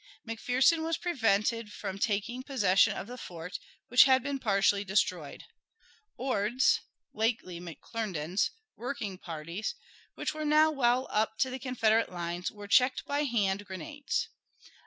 McPherson was prevented from taking possession of the fort, which had been partially destroyed. Ord's (lately McClernand's) working parties, which were now well up to the Confederate lines, were checked by hand grenades.